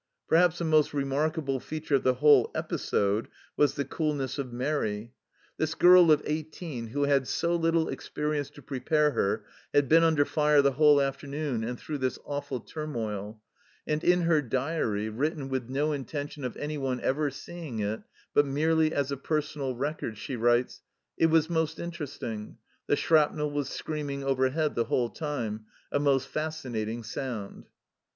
Perhaps the most remarkable feature of the whole episode was the coolness of Mairi. This girl of eighteen, 36 THE CELLAR HOUSE OF PERVYSE who had so little experience to prepare her, had been under fire the whole afternoon and through this awful turmoil ; and in her diary, written with no intention of anyone ever seeing it, but merely as a personal record, she writes : "It was most interesting ; the shrapnel was screaming overhead the whole time a most fascinating sound."